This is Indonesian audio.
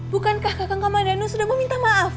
bukankah kakak kamadano sudah meminta maaf